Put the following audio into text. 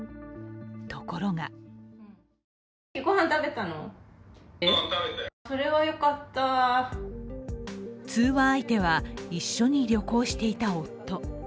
ところが通話相手は一緒に旅行していた夫。